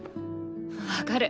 分かる。